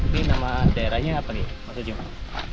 ini nama daerahnya apa nih maksudnya